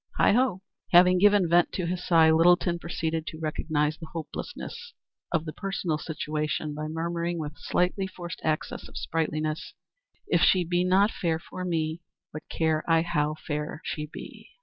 Heigho!" Having given vent to this sigh, Littleton proceeded to recognize the hopelessness of the personal situation by murmuring with a slightly forced access of sprightliness "If she be not fair for me, What care I how fair she be?"